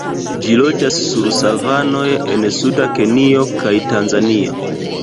Ĝi loĝas sur savanoj en suda Kenjo kaj Tanzanio.